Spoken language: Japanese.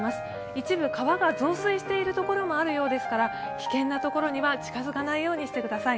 一部川が増水している所もあるようですから、危険な所には近づかないようにしてください。